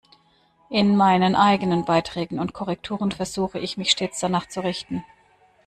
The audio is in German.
In meinen eigenen Beiträgen und Korrekturen versuche ich, mich stets danach zu richten.